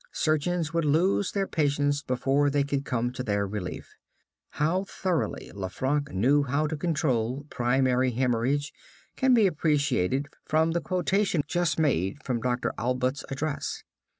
Surgeons would lose their patients before they could come to their relief. How thoroughly Lanfranc knew how to control primary hemorrhage can be appreciated from the quotation just made from Dr. Allbutt's address.